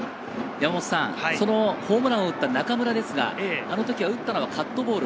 ホームランを打った中村ですが、あの時は打ったのはカットボール。